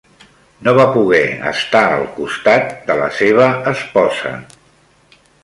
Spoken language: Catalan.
No va poguer estar al costat de la seva esposa.